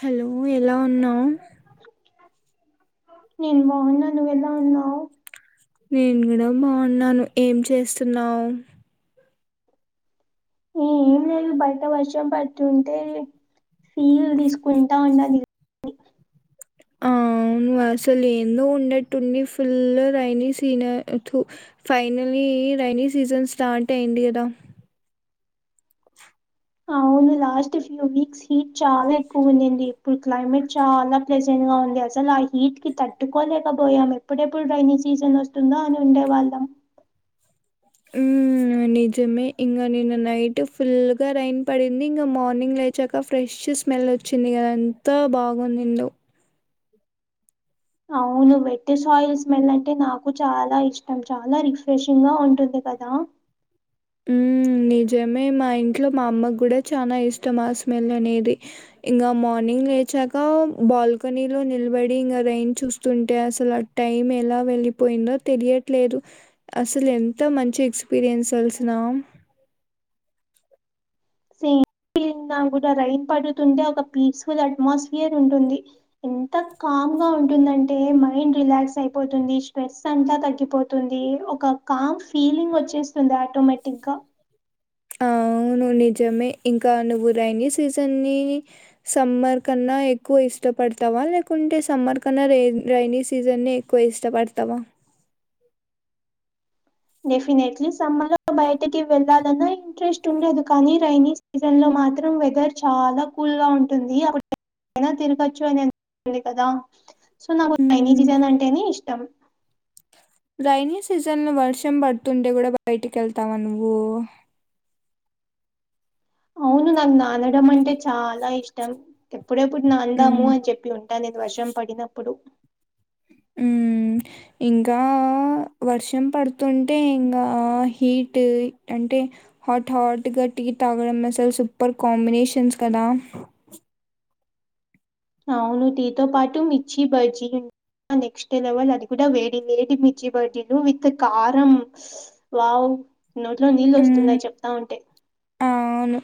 Hello, ఎలా ఉన్నావు? నేను బాగున్నా, నువ్వు ఎలా ఉన్నావ్? నేను కూడా బాగున్నాను, ఏం చేస్తున్నావు? ఉమ్ ఏంలేదు, బయట వర్షం పడుతుంటే, రీల్ తీసుకుంటా ఉన్నదిగ హు అసలు ఏందో ఉన్నట్టుండి పుల్ రైనీ సీన్ థూ ఫైనల్లీ, రైనీ సీజన్ స్టార్ట్ అయింది కదా. అవును లాస్ట్ ఫ్యూ వీక్స్ హీట్ చాలా ఎక్కువ ఉండింది, ఇప్పుడు క్లైమేట్ చాలా ప్లెజెంట్ గా ఉంది. అసలు ఆ హీట్ కి తట్టుకోలేకపోయాం, ఎప్పుడెప్పుడు రైనీ సీజన్ వస్త్ తుందా అని ఉండేవాళ్ళం. మ్మ్ నిజమే ఇంక నిన్న నైట్ ఫుల్ గా రైన్ పడింది ఇంకా మార్నింగ్ లైక్ చక్కా ఫ్రెష్ స్మెల్ వచ్చింది కదా, ఎంత బాగుండిందో అవును వెట్ సాయిల్ స్మెల్ అంటే నాకు చాలా ఇష్టం, చాలా రిఫ్రెషింగ్ గా ఉంటుంది కదా. ఊ నిజమే మా ఇంట్లో మా అమ్మకి కూడా చానా ఇష్టం ఆ స్మెల్ అనేది ఇంకా మార్నింగ్ లేచాక బాల్కనీలో నిలబడి ఇంకా రైన్ చూస్తుంటే అసలు అ టైమ్ ఎలా వెళ్ళిపోయిందో తెలియట్లేదు. అసలు ఎంత మంచి ఎక్స్పీరియన్స్ అల్స ఇన్నామ్ సేమ్ ఫేలింగ్ నాక్కూడా, రైన్ పడుతుంటే ఒక పీస్ఫుల్ అట్మాస్ఫియర్ ఉంటుంది. ఎంత కామ్ గా ఉంటుందంటే, మైండ్ రిలాక్స్ అయిపోతుంది, స్ట్రెస్ అంతా తగ్గిపోత్ తుంది, ఒక కామ్ ఫీలింగ్ వచ్చేస్తుంది ఆటోమేటిక్ గా. అవును నిజమే, ఇంకా నువ్వు రైైనీ సీజన్ని సమ్మర్ కన్నా ఎక్కువ ఇష్టపడతావా లేకుంటే సమ్మర్ కన్నా రై రైైనీ సీజన్నే క్కువ ఇష్టపడతావా? డెఫినెట్లీ సమ్మర్లో బయటకి వెళ్ళాలన్నా ఇంట్రెస్ట్ ఉండదు కానీ రైనీ సీజన్ లో మాత్రం వెదర్ చాలా కూల్ గా ఉంటుంది అప్ అయినా తిరగచ్చు అని [inaudible] కదా సో నాకు రైనీ హ్మ్. సీజెన్ అంటేనే ఇష్టం. రైనీ సీజన్ లో వర్షం పడుతుంటే కూడా బయటికి వెళ్తావా నువ్వు? అవును నన్ను అనడం అంటే చాలా ఇష్టం ఎప్పుడెప్పుడు అందాము హ్మ్. అని చెప్పి ఉ కానీ వర్షం పడినప్పుడు. మ్ ఇంకా వర్షం పడుతుంటే, ఇంకా హీట్ అంటే హాట్ హాట్గా టీ తాగడం, అసలు సూపర్ కాంబినేషన్స్ కదా అవును టీ తో పాటు మిర్చి బజ్జి. నెక్స్ట్ లెవెల్ అది కూడా వేడి లేడి మిర్చి బజ్జీలు విత్ కారం. వావ్ నోట్లో నీళ్ళు వస్తున్నాయ్ చెప్తా ఉంటే. ఆ అవును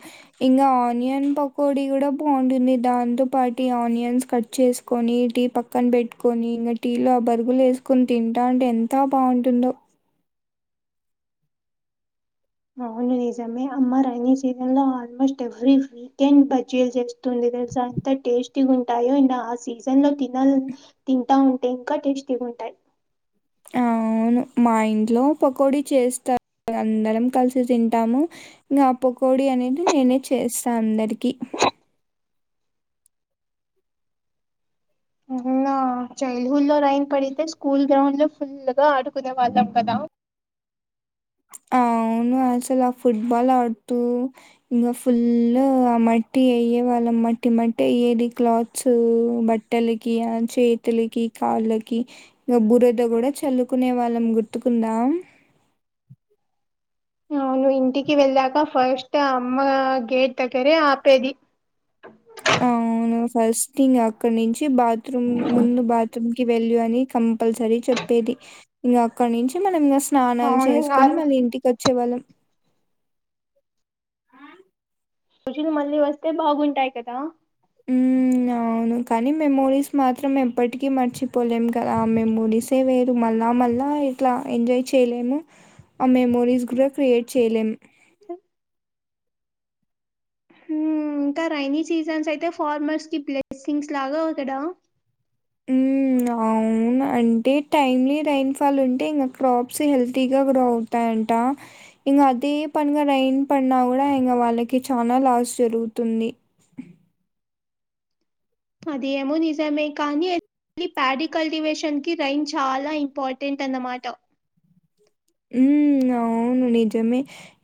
ఇంకా ఆనియన్ పకోడి కూడా బాగుంటుంది. దాంతో పాటు ఆనియన్స్ కట్ చేసు కొని టీ పక్కన పెట్టుకొని, టీలో ఆ బజ్జీలు వేసుకొని తింటా ఉంటే ఎంతా బాగుంటుందో? అవును నిజమే అమ్మ రైనీ సీజన్ లో ఆల్మోస్ట్ ఎవ్రీ వీకెండ్ బజ్జీలు చేస్తుంది అంత టేస్టీగా ఉంటాయో ఇంక ఆ సీజన్ లో తినాలనిపిస్తుంది. తింటా ఉంటే ఇంకా టేస్టీగా ఉంటాయి. అవును మా ఇంట్లో పకోడి చేస్తారు అందరం కలిసి తింటాము. ఇంగ పకోడి అనేది నేనే చేసా అందరికీ. అవునా చైల్డ్ హుడ్ లో రైన్ పడితే స్కూల్ గ్రౌండ్ లో ఫుల్ గా ఆడుకునే వాళ్ళం కదా? అవును అసలా ఫుట్బాల్ ఆడుతూ ఇంగా ఫుల్ ఆ మట్టి అయ్యే వాళ్ళం మట్టి మట్టి అయ్యేది క్లాత్స్ బట్ట లకి, చేతులకి కాళ్ళకి. ఇంగ బురద కూడా చల్లుకునే వాళ్ళం గుర్తుకుందా? అవును ఇంటికి వెళ్ళక ఫస్ట్ అమ్మ గేట్ దగ్గరే ఆపేది. అవును ఫస్ట్ ఇంగ అక్కడ నుంచి బాత్రూమ్ ముందు బాత్రూమ్ కి వెళ్ళు అని కంపల్సరీ చెప్పేది. ఇంగ అక్కడ నుంచి మనం ఇంగ స్నానాలు అవును ఇంగ ఆ చేసుకొని మళ్ళి ఇంటికి వచ్చేవాళ్ళం ఆ రోజులు మళ్ళీ వస్తే బాగుంటాయి కదా? మ్ అ అవును, కానీ మెమోరీస్ మాత్రం ఎప్పటికీ మర్చిపోలేం గదా ఆ మెమోరీస్ వేరు. మళ్ళా మళ్ళా ఇట్లా ఎంజాయ్ చేయలేము. ఆ మెమోరీస్ కూడా క్రియేట్ చేయలేం. ఇంకా రైైనీ సీజన్స్ అయితే ఫార్మర్స్ కి బ్లెస్సింగ్స్ లాగా కదా? మ్ అవును. మ్ అంటే టైమ్లీ రైయిన్ఫాల్ ఉంటే ఇంకా క్రాప్స్ హెల్తీగా గ్రో అవుతాయంట. ఇంగా అదే పనిగా రైన్ పడినా గూడా, ఇంగా వాళ్ళకి చాలా లాస్ జరుగుతుంది. అది ఎమో నిజమే కానీ ఎ ప్యాడీ కల్టివేషన్ కి రైం చాలా ఇంపార్టెంట్ అన్నమాట. ఉమ్ అవును నిజమే.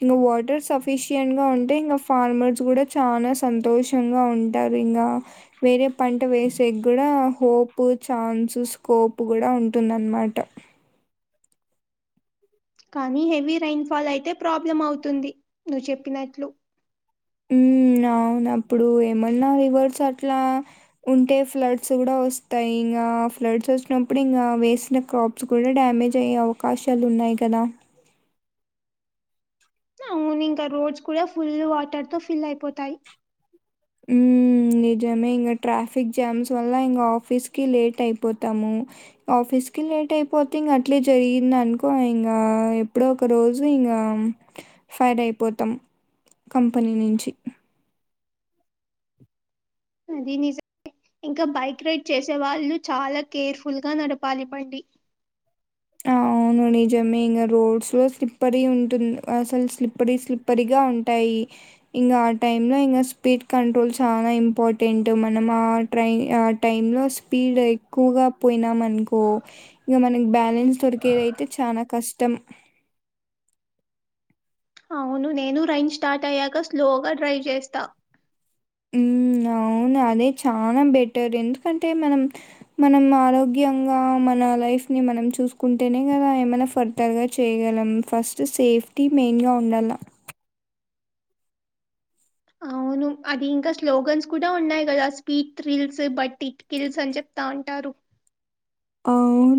నువు వాటర్ సఫిషియయంట్ గా ఉంటే ఇంకా ఫార్మర్స్ కూడా చాలా సంతోషం గా ఉంటారు ఇంగా వేరే పంట వేసే గూడా హోప్ ఛాన్సు స్కోప్ గూడా ఉంటుందన్నమాట. కానీ హెవీ రైన్ ఫాల్ అయితే ప్రాబ్లం అవుతుంది నువ్వు చెప్పినట్లు. ఉమ్ అవును అప్పుడు ఏమన్నా రివర్స్ అట్లా ఉంటే ఫ్లడ్స్ గూడా వస్తాయి. ఇంగా ఫ్లడ్స్ వచ్చినప్పుడు ఇంగా వేసిన క్రాప్ ఫుల్ డ్యామేజ్ అయ్యే అవకాశాలు ఉన్నాయి కదా? అవున్ ఇంకా రోడ్స్ కూడా ఫుల్ వాటర్ తో ఫిల్ అయిపోతాయి ఉ నిజమే ఇంగా ట్రాఫిక్ జామ్స్ వల్ల ఇంగా ఆఫీస్ కి లేట్ అయిపోతాము ఆఫీస్ కి లేట్ అయిపోతే ఇంకా అట్లే జరిగింది అనుకో ఇంకా ఎప్పుడో ఒక్ రోజు ఇంకా ఫైర్ అయిపోతాం కంపెనీ నుంచి అది నిజమే ఇంకా బైక్ రైడ్ చేసే వాళ్ళు చాలా కేర్ఫుల్ గా నడపాలి బండి అవు నిజమే ఇంగ రోడ్స్ లో స్లిప్పరీ ఉంటుంది అసలు స్లిప్పరీ స్లిప్పరీగా ఉంటాయి ఇంకా ఆ టైంలో ఇంకా స్పీడ్ కంట్రోల్ చాలా ఇంపార్టెంట్ మనం ఆ ట్రైన్ ఆ టైంలో స్పీడ్ ఎక్కువగా పోయినామనుకో ఇక మనం బాడ్ రూమ్స్ దొరికేవి అయితే చానా కష్టం అవును నేను రైన్ స్టార్ట్ అయ్యాక స్లోగా డ్రైవ్ చేస్తా అవును అదే చానా బెటర్ ఎందుకంటే మనం మనం ఆరోగ్యంగా మన లైఫ్ని మనం చూసుకుంటేనే కదా ఏమైనా ఫర్ రగా చేయగలం ఫస్ట్ సేఫ్టీ మెయిన్గా ఉండాల్ల అవును అవి ఇంకా స్లోగన్స్ కూడా ఉన్నాయి కదా speed thrills but it kills అని చెప్తా అంటారు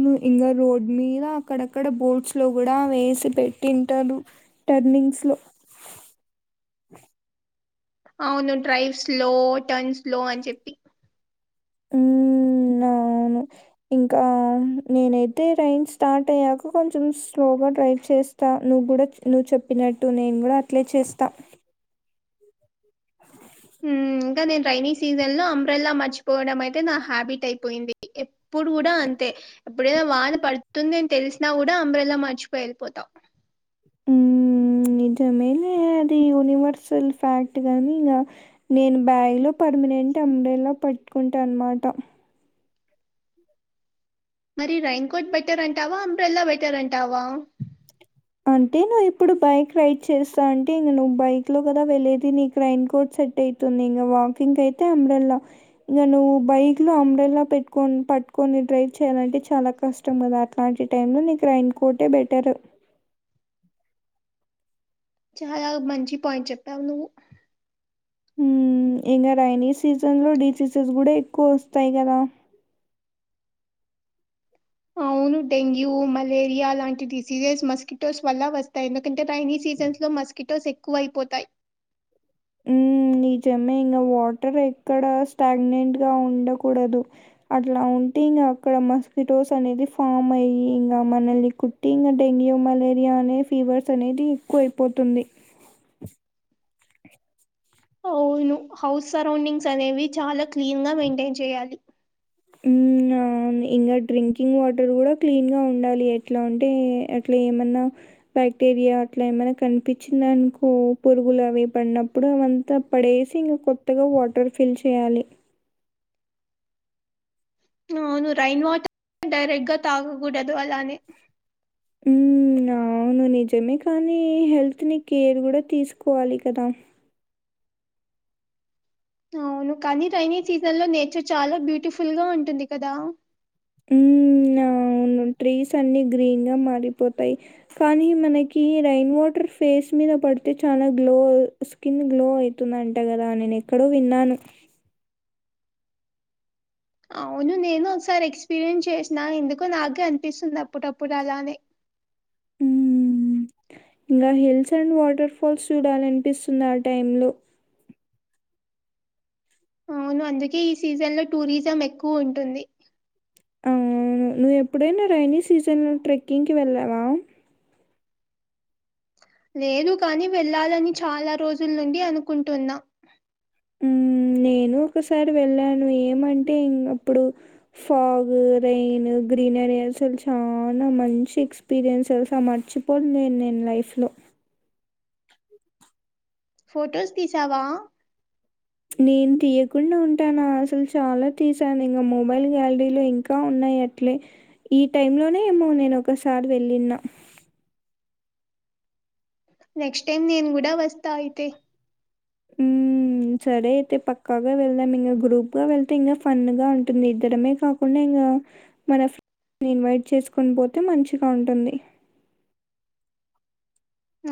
ను ఇంగా రోడ్ మీద అక్కడక్కడ బోర్డ్స్ లో గూడా వేసి పెట్టింటారు టర్నింగ్స్లో అవును డ్రైవ్ స్లో టర్న్ స్లో అని చెప్పి ఉ అవును ఇంకా నేనైతే రైన్స్ స్టార్ట్ అయ్యాక కొంచెం స్లోగా డ్రైవ్ చేస్త తా నువ్వు గూడా నువ్వు చెప్పినట్టు నేను గూడా అట్లే చేస్తా ఉమ్ ఇంకా నేను రైైనీ సీజన్ లో అంబ్రెల్లా మర్చిపోవడం అయితే నా హ్యాబిట్ అయిపోయింది ఏ ఇప్పుడు కూడా అంతే ఎప్పుడైనా వాన పడుతుంది అని తెలిసినా కూడా అంబ్రెలా మర్చిపోయి వెళ్ళిపోతా నిజమేలే అది యూనివర్సల్ ఫ్యాక్ట్ గానీ ఇంగా నేను బ్యాగ్లో పర్మనెంట్ అంబ్రెల్లా పట్టుకుంటా అన్నమాట మరి రైన్కోట్ బెటర్ అంటావా అంబ్రెలా బెటర్ అంటావా. అంటే నువ్వు ఇప్పుడు బైక్ రైడ్ చేస్తా అంటే ఇంక నువ్వు బైక్ లో కదా వెళ్లేేది నీకు రైన్ కోట్ సెట్ అయి ఇంకా వాకింగ్ అయితే అంబ్రెలా ఇంకా నువ్వు బైక్ లో అంబ్రెలా పెట్టుకొని పట్టుకొని డ్రైవ్ చేయాలంటే చాలా కష్టం కష్టమ్ గదా అట్లాంటి టైంలో నీకు రైన్కోటే బెటర్ చాలా మంచి పాయింట్ చెప్పావు నువ్వు ఊ ఇంగా రైని సీజన్ లో డిసీజెస్ కూడా ఎక్కువ వస్తాయి గదా అవును డెంగ్యూ మలేరియా లాంటి డిసీజెస్ మస్కిటోస్ వల్ల వస్తాయి ఎందుకంటే రైైనీ సీజన్స్ లో మస్ కిటోస్ ఎక్కువ అయిపోతాయి ఉ నిజమే ఇంకా వాటర్ ఎక్కడ స్టాగ్నెంట్ గా ఉండకూడదు అట్లా ఉంటే ఇంకా అక్కడ మస్కిటోస్ అనేది ఫామ్ అయి ఇంగా మనల్ని కు ఇంకా డెంగ్యూ మలేరియా అనే ఫీవర్స్ అనేది ఎక్కువ అయిపోతుంది అవును హౌస్ సరౌండింగ్స్ అనేవి చాలా క్లీన్ గా మెయింటైన్ చేయాలి ఊ ఇంకా డ్రింకింగ్ వాటర్ కూడా క్లీన్ గా ఉండాలి ఎట్లా అంటే అట్లా ఏమన్నా బ్యాక్టీరియా అట్లా ఏమైనా కనిపించిందనుకో పురుగులు అవి పడినప్పుడు అవంతా పడేసి ఇంకా కొత్తగా వాటర్ ఫిల్ చేయాలి అవును రైన్ వాటర్ డైరెక్ట్ గా తాగకూడదు అలానే ఉ అవును నిజమే కానీ హెల్త్ ని కేర్ కూడా తీసుకోవాలి. కదా అవును కానీ రైనీ సీజన్ లో నేచర్ చాలా బ్యూటిఫుల్ గా ఉంటుంది. కదా ఉ అవును ట్రీస్ అన్ని గ్రీన్గా మారిపోతాయి కానీ మనకి రైన్ వాటర్ ఫేస్ మీద పడితే చాలా గ్లో స్కిన్ గ్లో అయితుంది. అంట గదా నేను ఎక్కడో విన్నాను అవును నేను ఒకసారి ఎక్స్పీరియన్స్ చేసిన ఎందుకో నాగే అనిపిస్తుంది. అప్పుడప్పుడు అలానే మ్ ఇంకా హిల్స్ అండ్ వాటర్ ఫాల్స్ చూడాలనిపిస్తుంది. ఆ టైమ్ లో అవును అందుకే ఈ సీజన్లో టూరిజం ఎక్కువ ఉంటుంది. అవును నువ్వు ఎప్పుడైనా రైనీ సీజన్లో ట్రెక్కింగ్కి వెళ్ళావా లేదు కాని వెళ్ళాలని చాలా రోజుల నుండి అనుకుంటున్నా ఉమ్ నేను ఒకసారి వెళ్ళాను ఏమంటే ఇంక అప్పుడు ఫాగు రెయిను గ్రీనరీ అసలు చాలా మంచి ఎక్స్ ఎక్స్పీరియన్స్ మర్చిపోను నేను నేను లైఫ్లో ఫోటోస్ తీసావా నేను తీయకుండా ఉంటానా అసలు చాలా తీసాను ఇంకా మొబైల్ గ్యాలరీలో ఇంకా ఉన్నాయి ట్లే ఈ టైమ్ లోనే ఏమో నేను ఒకసారి వెళ్ళిన నెక్స్ట్ టైమ్ నేను కూడా వస్తా అయితే హ్ సరే అయితే పక్కాగా వెళ్దాం ఇంకా గ్రూప్ గా వెళ్తే ఇంగా ఫన్ గా ఉంటుంది. ఇద్దరమే కాకుండా ఇంగా మన ఫ్రెం ఇన్వైట్ చేసుకొని పోతే మంచిగా ఉంటుంది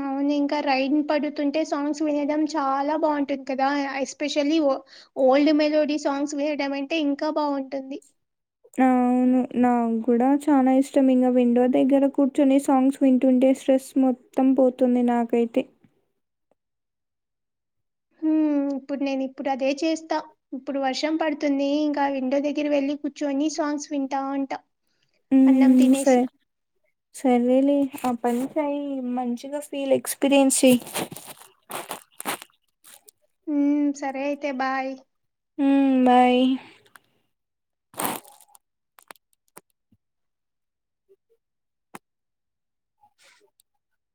అవును ఇంకా రైన్ పడుతుంటే సాంగ్స్ వినడం చాలా బాగుంటుంది. కదా ఎస్పెషల్లీ వో ఓల్డ్ మెలోడీ సాంగ్స్ వినడం అంటే ఇంకా బాగుంటుంది అవును నా కూడా చాలా ఇష్టం ఇంకా విండో దగ్గర కూర్చొని సాంగ్స్ వింటుంటే స్ట్రెస్ మొత్తం పోతుంది. నాకైతే ఊ ఇప్పుడు నేను ఇప్పుడు నేను అదే చేస్తా ఇప్పుడు వర్షం పడుతుంది. ఇంకా విండో దగ్గర వెళ్ళి కూర్చుని సాంగ్స్ వింటా ఉంటా అన్నం ఉమ్ స తినేసి సరే లే ఆ పని చేయి మంచిగా ఫీల్ ఎక్స్పీరియన్స్ చెయ్యి ఉమ్ సరే అయితే బాయ్ ఉమ్ బాయ్ [inaudible]